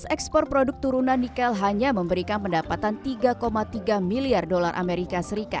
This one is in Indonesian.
ekspor produk turunan nikel hanya memberikan pendapatan tiga tiga miliar dolar as